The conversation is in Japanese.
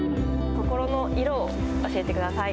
「心の色」を教えてください。